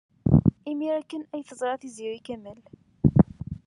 Imir-a kan ay teẓra Tiziri Kamal.